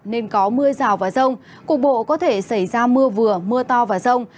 nên có mưa rào và rông cục bộ có thể xảy ra mưa vừa mưa to và rông